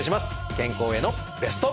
健康へのベスト。